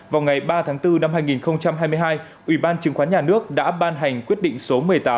vào ngày ba tháng bốn năm hai nghìn hai mươi hai ủy ban chứng khoán nhà nước đã ban hành quyết định số một mươi tám